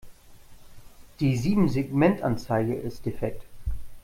Die Siebensegmentanzeige ist defekt.